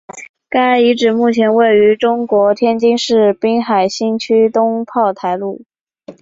该遗址目前位于中国天津市滨海新区东炮台路。